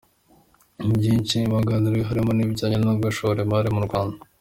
Muri byinshi byaganiriweho harimo n’ibijyanye no gushora imari mu Rwanda.